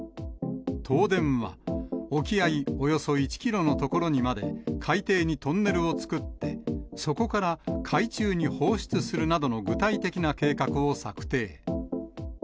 東電は、沖合およそ１キロの所にまで海底にトンネルを作って、そこから海中に放出するなどの具体的な計画を策定。